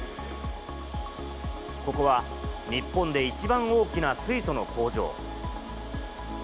ここは日本で一番大きな水素の工場。